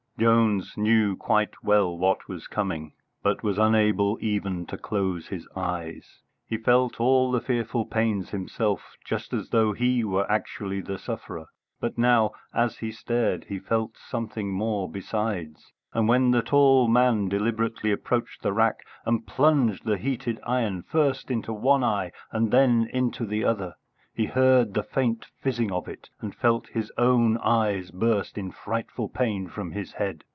Jones knew quite well what was coming, but was unable even to close his eyes. He felt all the fearful pains himself just as though he were actually the sufferer; but now, as he stared, he felt something more besides; and when the tall man deliberately approached the rack and plunged the heated iron first into one eye and then into the other, he heard the faint fizzing of it, and felt his own eyes burst in frightful pain from his head.